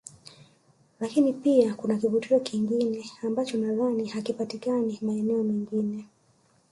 Lakini pia kuna kivutio kingine ambacho nadhani hakipatikani maeneo mengine